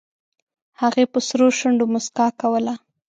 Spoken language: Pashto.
هغې په سرو شونډو موسکا کوله